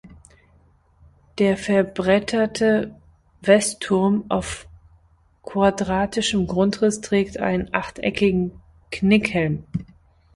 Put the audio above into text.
Der verbretterte Westturm auf quadratischem Grundriss trägt einen achteckigen Knickhelm.